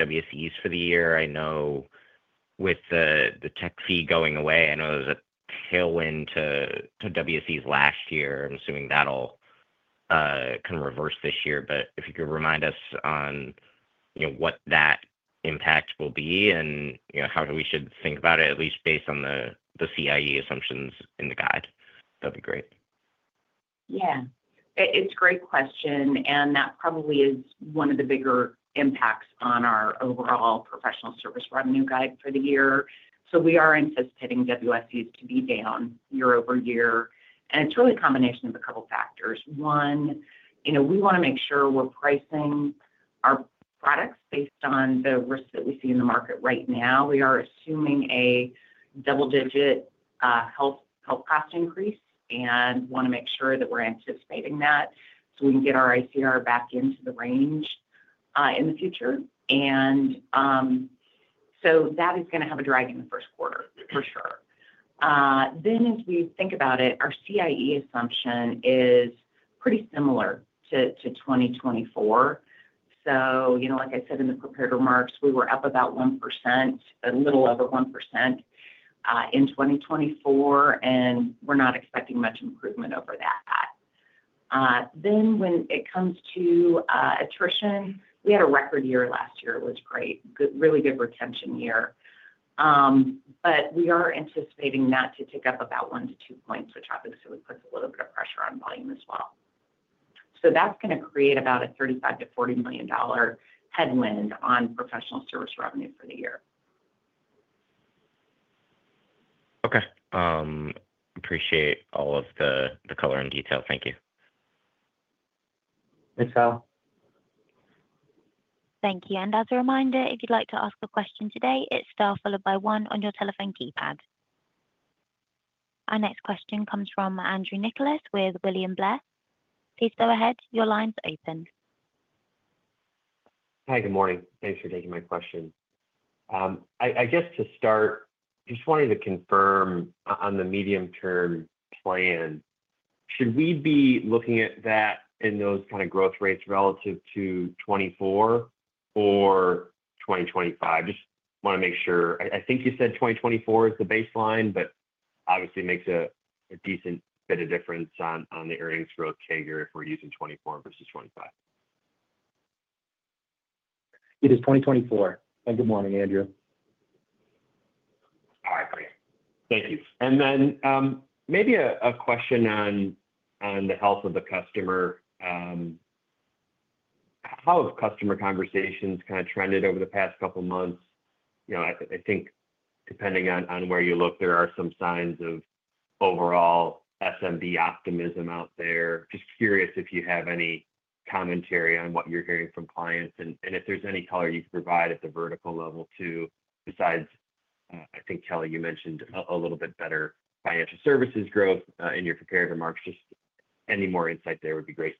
WSEs for the year? I know with the tech fee going away, I know there was a tailwind to WSEs last year. I'm assuming that'll kind of reverse this year. But if you could remind us on what that impact will be and how we should think about it, at least based on the CIE assumptions in the guide, that'd be great. Yeah. It's a great question. That probably is one of the bigger impacts on our overall professional service revenue guide for the year. So we are anticipating WSEs to be down year-over-year. And it's really a combination of a couple of factors. One, we want to make sure we're pricing our products based on the risk that we see in the market right now. We are assuming a double-digit health cost increase and want to make sure that we're anticipating that so we can get our ICR back into the range in the future. And so that is going to have a drag in the first quarter, for sure. Then as we think about it, our CIE assumption is pretty similar to 2024. So like I said in the prepared remarks, we were up about 1%, a little over 1% in 2024, and we're not expecting much improvement over that. Then when it comes to attrition, we had a record year last year, which was great. Really good retention year. But we are anticipating that to tick up about 1-2 points, which I think sort of puts a little bit of pressure on volume as well. So that's going to create about a $35 million-$40 million headwind on professional service revenue for the year. Okay. Appreciate all of the color and detail. Thank you. Thanks, Kyle. Thank you. And as a reminder, if you'd like to ask a question today, it's star followed by one on your telephone keypad. Our next question comes from Andrew Nicholas with William Blair. Please go ahead. Your line's open. Hi. Good morning. Thanks for taking my question. I guess to start, just wanted to confirm on the medium-term plan. Should we be looking at that and those kind of growth rates relative to 2024 or 2025? Just want to make sure. I think you said 2024 is the baseline, but obviously it makes a decent bit of difference on the earnings growth figure if we're using 2024 versus 2025. It is 2024. And good morning, Andrew. All right. Great. Thank you. And then maybe a question on the health of the customer. How have customer conversations kind of trended over the past couple of months? I think depending on where you look, there are some signs of overall SMB optimism out there. Just curious if you have any commentary on what you're hearing from clients and if there's any color you could provide at the vertical level too, besides, I think, Kelly, you mentioned a little bit better financial services growth in your prepared remarks? Just any more insight there would be great.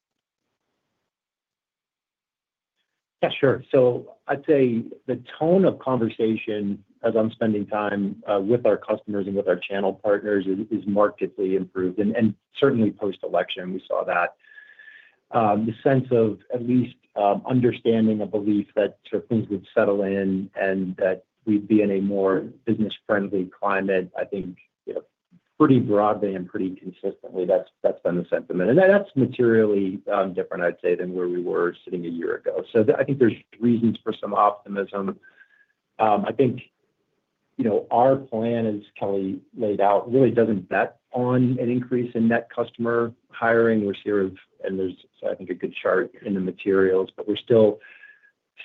Yeah. Sure. So I'd say the tone of conversation as I'm spending time with our customers and with our channel partners is markedly improved. And certainly post-election, we saw that. The sense of at least understanding a belief that sort of things would settle in and that we'd be in a more business-friendly climate, I think pretty broadly and pretty consistently, that's been the sentiment. And that's materially different, I'd say, than where we were sitting a year ago. So I think there's reasons for some optimism. I think our plan, as Kelly laid out, really doesn't bet on an increase in net customer hiring, and there's, I think, a good chart in the materials, but we're still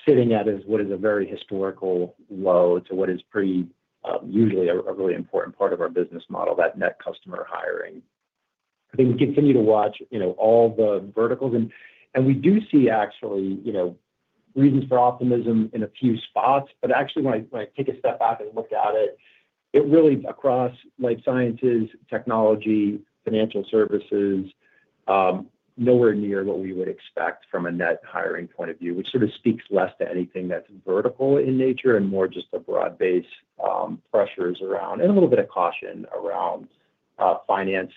sitting at what is a very historical low to what is usually a really important part of our business model, that net customer hiring. I think we continue to watch all the verticals, and we do see actually reasons for optimism in a few spots. But actually, when I take a step back and look at it, it really across life sciences, technology, financial services, nowhere near what we would expect from a net hiring point of view, which sort of speaks less to anything that's vertical in nature and more just the broad-based pressures around and a little bit of caution around finance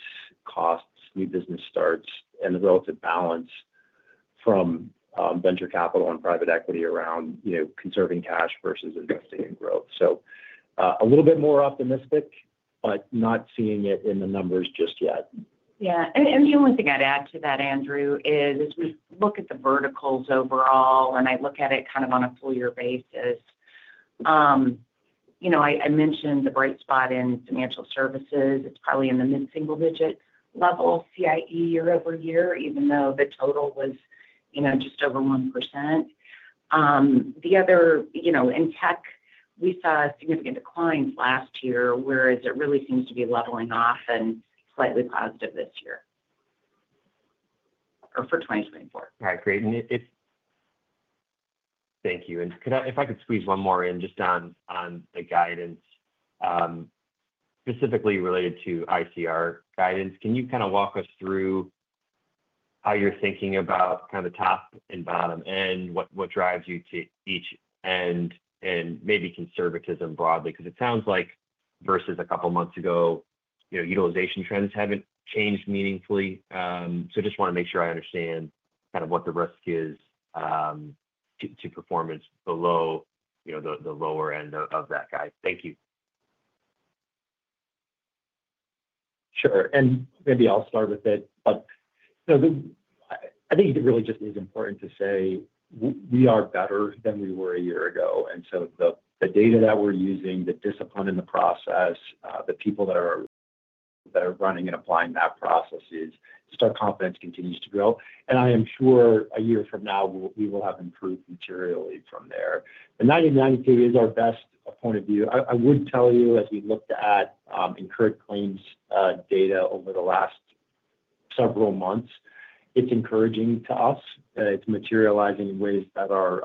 costs, new business starts, and the relative balance from venture capital and private equity around conserving cash versus investing in growth. So a little bit more optimistic, but not seeing it in the numbers just yet. Yeah, and the only thing I'd add to that, Andrew, is as we look at the verticals overall and I look at it kind of on a full-year basis, I mentioned the bright spot in financial services. It's probably in the mid-single-digit level CIE year-over-year, even though the total was just over 1%. The other in tech, we saw significant declines last year, whereas it really seems to be leveling off and slightly positive this year or for 2024. All right. Great. And thank you. And if I could squeeze one more in just on the guidance, specifically related to ICR guidance, can you kind of walk us through how you're thinking about kind of the top and bottom end, what drives you to each end, and maybe conservatism broadly? Because it sounds like versus a couple of months ago, utilization trends haven't changed meaningfully. So I just want to make sure I understand kind of what the risk is to performance below the lower end of that guide. Thank you. Sure. And maybe I'll start with it. But I think it really just is important to say we are better than we were a year ago. And so the data that we're using, the discipline in the process, the people that are running and applying that process is just our confidence continues to grow. And I am sure a year from now, we will have improved materially from there. The 90/90 is our best point of view. I would tell you, as we looked at incurred claims data over the last several months, it's encouraging to us. It's materializing in ways that are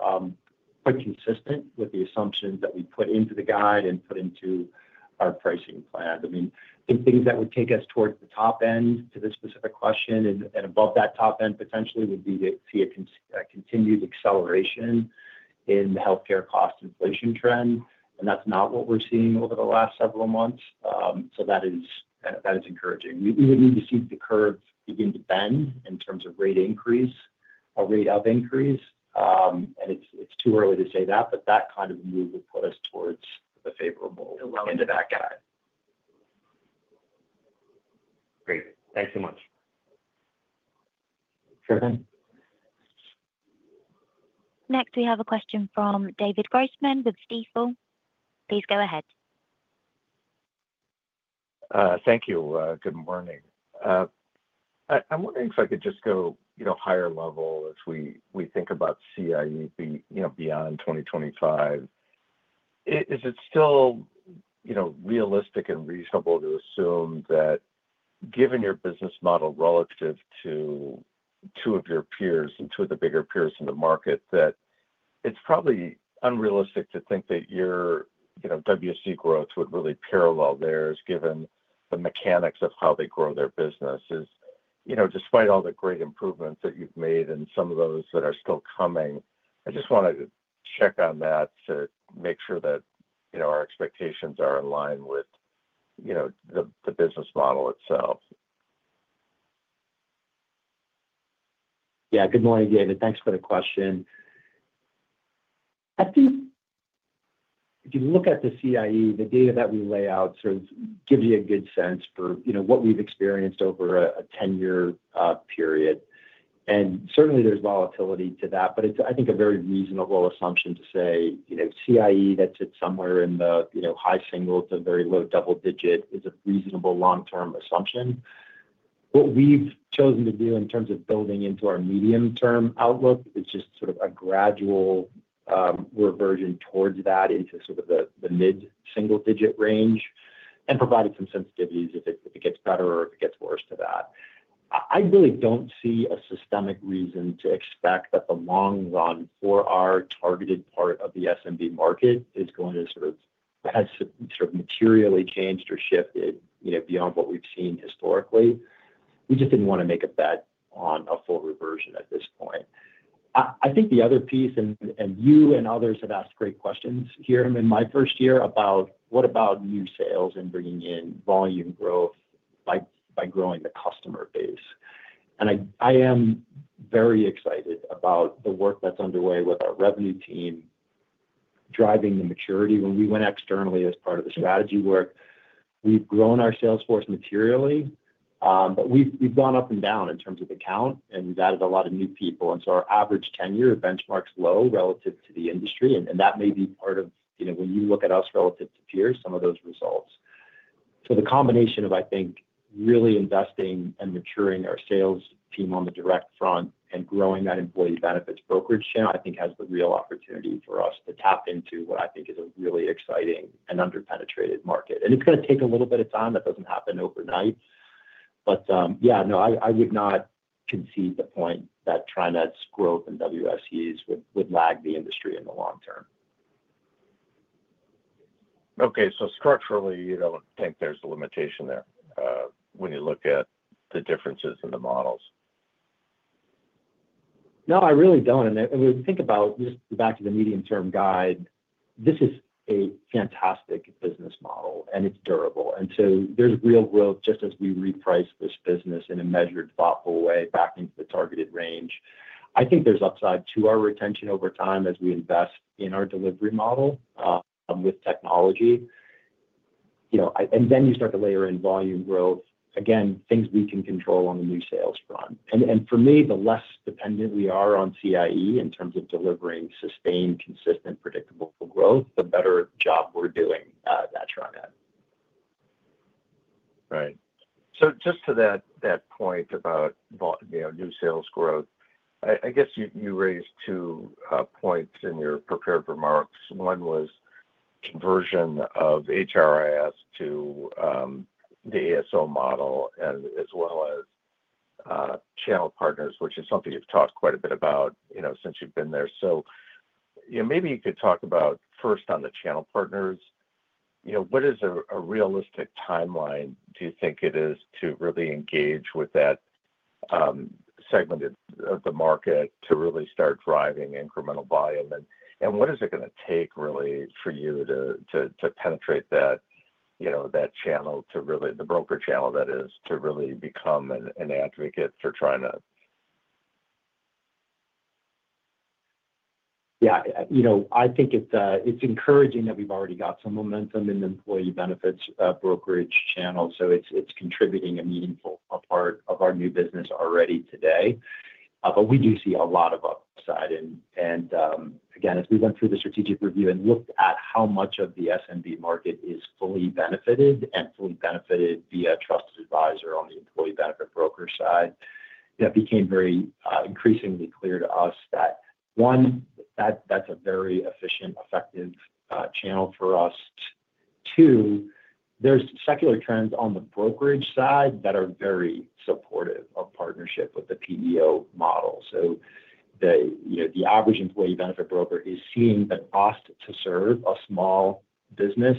quite consistent with the assumptions that we put into the guide and put into our pricing plan. I mean, I think things that would take us towards the top end to this specific question and above that top end potentially would be to see a continued acceleration in the healthcare cost inflation trend. And that's not what we're seeing over the last several months. So that is encouraging. We would need to see the curve begin to bend in terms of rate increase or rate of increase. And it's too early to say that, but that kind of move would put us towards the favorable end of that guide. Great. Thanks so much. Sure thing. Next, we have a question from David Grossman with Stifel. Please go ahead. Thank you. Good morning. I'm wondering if I could just go higher level as we think about CIE beyond 2025. Is it still realistic and reasonable to assume that given your business model relative to two of your peers and two of the bigger peers in the market, that it's probably unrealistic to think that your WSE growth would really parallel theirs given the mechanics of how they grow their business? Despite all the great improvements that you've made and some of those that are still coming, I just wanted to check on that to make sure that our expectations are in line with the business model itself. Yeah. Good morning, David. Thanks for the question. I think if you look at the CIE, the data that we lay out sort of gives you a good sense for what we've experienced over a 10-year period. And certainly, there's volatility to that. But it's, I think, a very reasonable assumption to say CIE that sits somewhere in the high single to very low double-digit is a reasonable long-term assumption. What we've chosen to do in terms of building into our medium-term outlook is just sort of a gradual reversion towards that into sort of the mid-single-digit range and provide some sensitivities if it gets better or if it gets worse to that. I really don't see a systemic reason to expect that the long run for our targeted part of the SMB market is going to sort of have sort of materially changed or shifted beyond what we've seen historically. We just didn't want to make a bet on a full reversion at this point. I think the other piece, and you and others have asked great questions here in my first year about what new sales and bringing in volume growth by growing the customer base, And I am very excited about the work that's underway with our revenue team driving the maturity. When we went externally as part of the strategy work, we've grown our sales force materially, but we've gone up and down in terms of the count, and we've added a lot of new people, so our average 10-year benchmark's low relative to the industry. That may be part of when you look at us relative to peers, some of those results. So the combination of, I think, really investing and maturing our sales team on the direct front and growing that employee benefits brokerage channel, I think, has the real opportunity for us to tap into what I think is a really exciting and underpenetrated market. And it's going to take a little bit of time. That doesn't happen overnight. But yeah, no, I would not concede the point that TriNet's growth and WSEs would lag the industry in the long term. Okay. So structurally, you don't think there's a limitation there when you look at the differences in the models? No, I really don't. And when we think about just back to the medium-term guide, this is a fantastic business model, and it's durable. And so there's real growth just as we reprice this business in a measured, thoughtful way back into the targeted range. I think there's upside to our retention over time as we invest in our delivery model with technology. And then you start to layer in volume growth, again, things we can control on the new sales front. And for me, the less dependent we are on CIE in terms of delivering sustained, consistent, predictable growth, the better job we're doing at TriNet. Right. So just to that point about new sales growth, I guess you raised two points in your prepared remarks. One was conversion of HRIS to the ASO model as well as channel partners, which is something you've talked quite a bit about since you've been there. So maybe you could talk about first on the channel partners. What is a realistic timeline? Do you think it is to really engage with that segment of the market to really start driving incremental volume? And what is it going to take really for you to penetrate that channel to really the broker channel that is to really become an advocate for TriNet? Yeah. I think it's encouraging that we've already got some momentum in the employee benefits brokerage channel. So it's contributing a meaningful part of our new business already today. But we do see a lot of upside. And again, as we went through the strategic review and looked at how much of the SMB market is fully benefited and fully benefited via trusted advisor on the employee benefit broker side, that became very increasingly clear to us that, one, that's a very efficient, effective channel for us. Two, there's secular trends on the brokerage side that are very supportive of partnership with the PEO model. So the average employee benefit broker is seeing the cost to serve a small business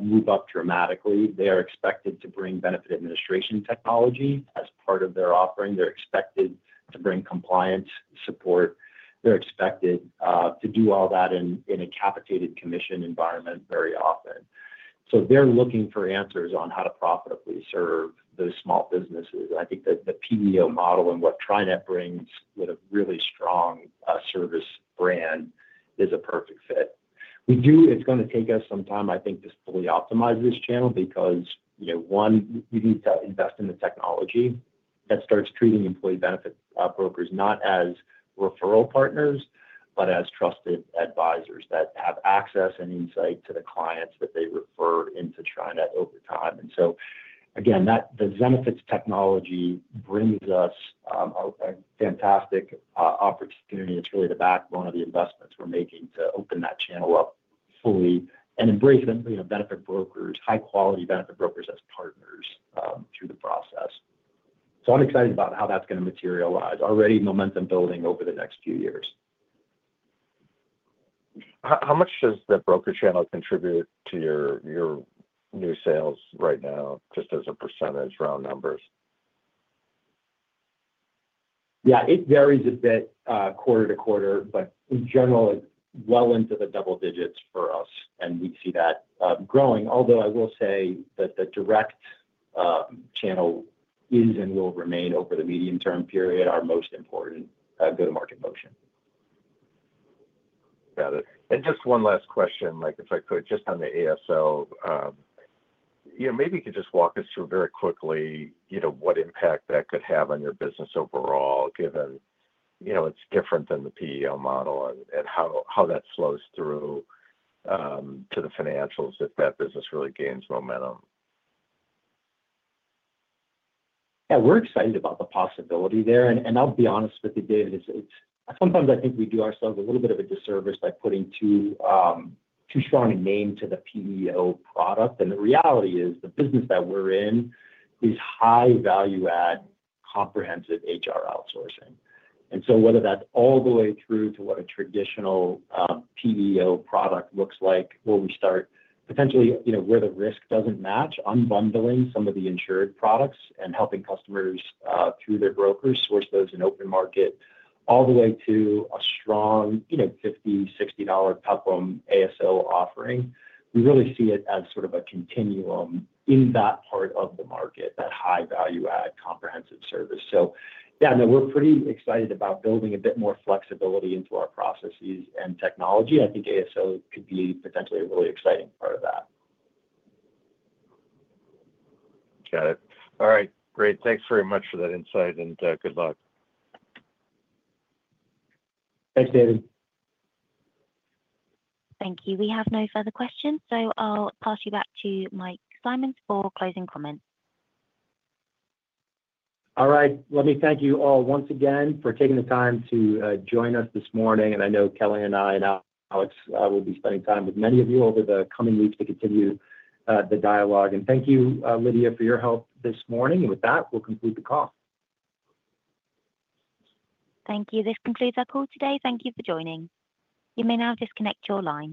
move up dramatically. They are expected to bring benefit administration technology as part of their offering. They're expected to bring compliance support. They're expected to bring all that in a capitated commission environment very often. So they're looking for answers on how to profitably serve those small businesses. And I think that the PEO model and what TriNet brings with a really strong service brand is a perfect fit. It's going to take us some time, I think, to fully optimize this channel because, one, we need to invest in the technology that starts treating employee benefit brokers not as referral partners, but as trusted advisors that have access and insight to the clients that they refer into TriNet over time. And so, again, the Zenefits technology brings us a fantastic opportunity. It's really the backbone of the investments we're making to open that channel up fully and embrace benefit brokers, high-quality benefit brokers as partners through the process. So I'm excited about how that's going to materialize. Already momentum building over the next few years. How much does the broker channel contribute to your new sales right now, just as a percentage, round numbers? Yeah. It varies a bit quarter to quarter, but in general, it's well into the double digits for us. And we see that growing. Although I will say that the direct channel is and will remain over the medium-term period our most important go-to-market motion. Got it. And just one last question, if I could, just on the ASO. Maybe you could just walk us through very quickly what impact that could have on your business overall, given it's different than the PEO model and how that flows through to the financials if that business really gains momentum. Yeah. We're excited about the possibility there. And I'll be honest with you, David, sometimes I think we do ourselves a little bit of a disservice by putting too strong a name to the PEO product. And the reality is the business that we're in is high value-add comprehensive HR outsourcing. And so whether that's all the way through to what a traditional PEO product looks like, where we start potentially where the risk doesn't match, unbundling some of the insured products and helping customers through their brokers source those in open market, all the way to a strong $50-$60 top-end ASO offering, we really see it as sort of a continuum in that part of the market, that high value-add comprehensive service. So yeah, we're pretty excited about building a bit more flexibility into our processes and technology. I think ASO could be potentially a really exciting part of that. Got it. All right. Great. Thanks very much for that insight, and good luck. Thanks, David. Thank you. We have no further questions. So I'll pass you back to Mike Simonds for closing comments. All right. Let me thank you all once again for taking the time to join us this morning. And I know Kelly and I and Alex will be spending time with many of you over the coming weeks to continue the dialogue. And thank you, Lydia, for your help this morning. And with that, we'll conclude the call. Thank you. This concludes our call today. Thank you for joining. You may now disconnect your line.